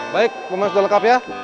baik pemain sudah lengkap ya